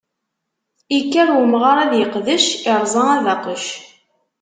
Ikker umɣar ad iqdec, iṛẓa abaqec.